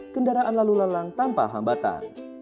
kendaraan lalu lalang tanpa hambatan